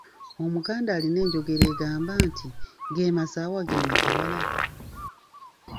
"Omuganda alina enjogera egamba nti, “Ge masaawa ge makabala?"""